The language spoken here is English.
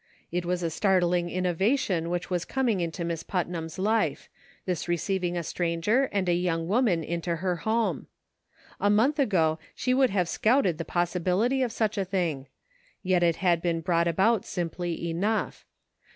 It was a startling innovation which was coming into Miss Putnam's life — this receiv ing a stranger and a young woman into her home. A month ago she would have scouted the possi bility of such a thing ; yet it had been brought about simply enough.